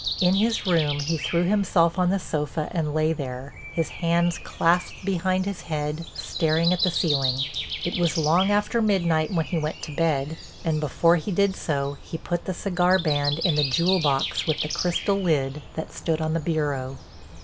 In his room he threw himself on the sofa and lay there, his hands clasped behind his head, staring at the ceiling. It was long after midnight when he went to bed, and before he did so he put the cigar band in the jewel box with the crystal lid that stood on the bureau.